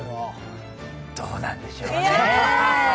どうなんでしょうねぇ。